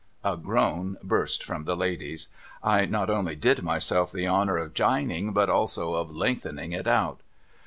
' A groan burst from the ladies. I not only did myself the honour of jining, but also of lengthening it out.